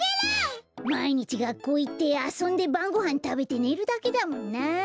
まいにちがっこういってあそんでばんごはんたべてねるだけだもんなあ。